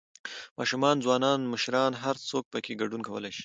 ، ماشومان، ځوانان، مشران هر څوک پکې ګډون کولى شي